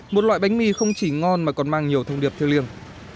một loại bánh mì không chỉ ngon mà còn mang nhiều thông điệp thiêng liêng